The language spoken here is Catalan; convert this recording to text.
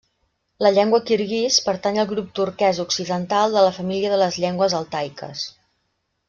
La llengua kirguís pertany al grup turquès occidental de la família de les llengües altaiques.